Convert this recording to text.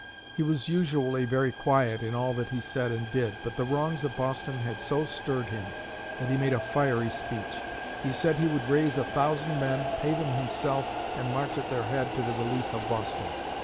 He was usually very quiet in all that he said and did, but the wrongs of Boston had so stirred him that he made a fiery speech. He said he would raise a thousand men, pay them himself and march at their head to the relief of Boston.